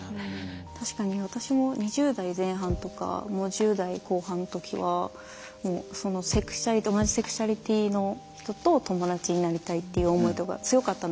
確かに私も２０代前半とかもう１０代後半の時はもうセクシュアリティー同じセクシュアリティーの人と友達になりたいっていう思いとか強かったんですよ。